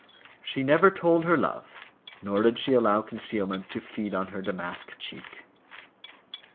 "She never told her love," nor did she allow concealment to "feed on her damask cheek."